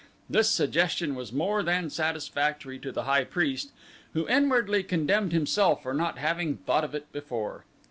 This suggestion was more than satisfactory to the high priest who inwardly condemned himself for not having thought of it before.